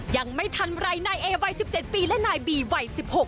ยังไม่ทันไรนายเอวัย๑๗ปีและนายบีวัย๑๖